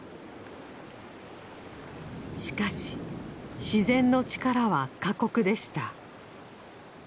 しかし自然の力は過酷でした。